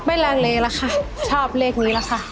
ไม่รังเลล่ะค่ะชอบเลขนี้ล่ะค่ะ